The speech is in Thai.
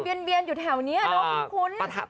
บนเบียนอยู่แถวนี้นะครับคุณคุณ